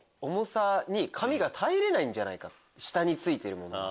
下についてるものが。